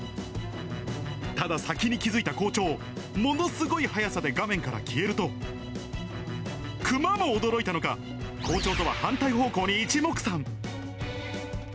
ただ、先に気付いた校長、ものすごい速さで画面から消えると、クマも驚いたのか、校長とは反対方向にいちもくさん。